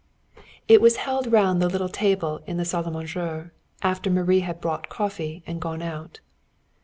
It was held round the little table in the salle à manger, after Marie had brought coffee and gone out.